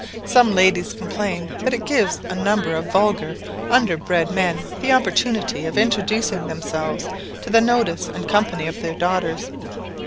Some ladies complain that it gives a number of vulgar, underbred men the opportunity of introducing themselves to the notice and company of their daughters.